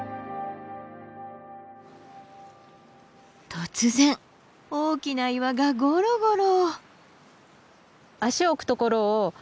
突然大きな岩がゴロゴロ。